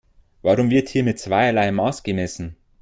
Warum wird hier mit zweierlei Maß gemessen?